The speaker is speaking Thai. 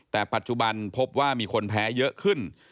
แต่ปัจจุบันพบว่ามีคนแพ้เยอะขึ้น